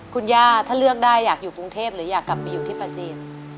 คุณย่าถ้าเลือกได้อยากอยู่กรุงเทพหรืออยากกลับไปอยู่ที่ประจีน